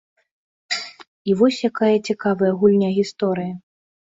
І вось якая цікавая гульня гісторыі.